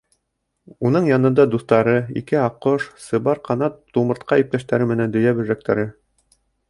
Уның янында дуҫтары: ике аҡҡош, Сыбар Ҡанат тумыртҡа иптәштәре менән, дөйә бөжәктәре.